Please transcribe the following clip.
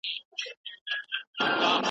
له اورنګه تر فرنګه چي راغلي ,